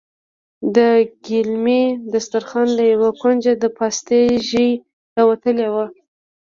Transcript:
د ګيلمي دسترخوان له يوه کونجه د پاستي ژۍ راوتلې وه.